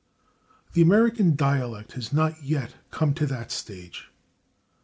The American dialect has not yet come to that stage.